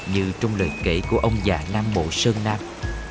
như trong lời kể của ông già nam bộ sơn nam